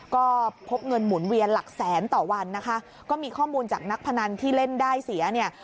ก็พบเงินหมุนเวียนหลักแสนต่อวันนะคะก็มีข้อมูลจากนักพนันที่เล่นได้เสียเนี่ย